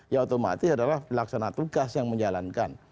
ya otomatis adalah pelaksana tugas yang menjalankan